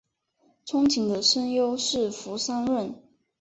憧憬的声优是福山润。